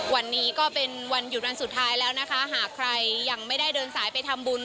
วันนี้ก็เป็นวันหยุดวันสุดท้ายแล้วนะคะหากใครยังไม่ได้เดินสายไปทำบุญ